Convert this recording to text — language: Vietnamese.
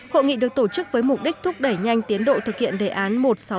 hội nghị được tổ chức với mục đích thúc đẩy nhanh tiến độ thực hiện đề án